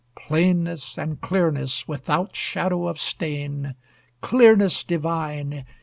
Plainness and clearness without shadow of stain! Clearness divine!